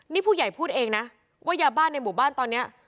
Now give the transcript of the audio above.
นี่ผู้ใหญ่พูดเองนะว่ายาบ้านในหมู่บ้านตอนนี้